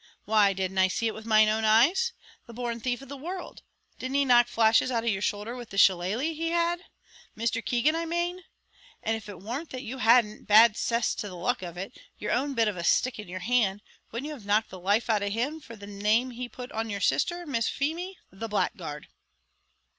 why didn't I see it with my own eyes? the born thief of the world! Didn't he knock flashes out of yer shoulther with the shilaleh he had Mr. Keegan, I main? And if it worn't that you hadn't bad cess to the luck of it! your own bit of a stick in your hand, wouldn't you have knocked the life out of him for the name he put on your sisther, Miss Feemy? the blackguard!"